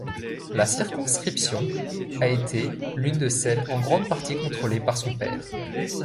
La circonscription a été l'une de celle en grande partie contrôlée par son père.